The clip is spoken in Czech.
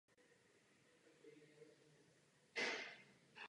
Během druhé světové války byla používána jako kino.